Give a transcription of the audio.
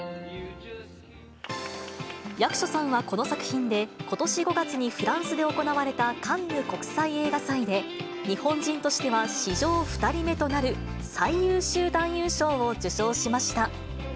役所さんはこの作品で、ことし５月にフランスで行われたカンヌ国際映画祭で日本人としては史上２人目となる最優秀男優賞を受賞しました。